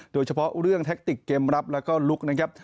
โดยเฉพาะเรื่องแท็กติกเกมรับแล้วก็ลุคนะครับ